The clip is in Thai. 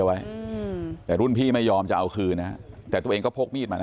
รุ่นพี่เอาไว้แต่รุ่นพี่ไม่ยอมจะเอาคืนนะแต่ตัวเองก็โพกมีดมานะ